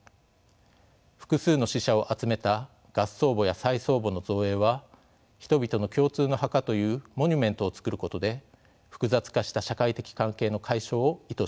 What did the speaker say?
複数の死者を集めた合葬墓や再葬墓の造営は人々の共通の墓というモニュメントを作ることで複雑化した社会的関係の解消を意図したものです。